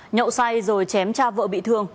nhậu say rồi chém cha vợ bị thương